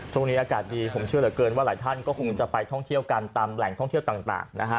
ช่วงนี้อากาศดีผมเชื่อเหลือเกินว่าหลายท่านก็คงจะไปท่องเที่ยวกันตามแหล่งท่องเที่ยวต่างนะฮะ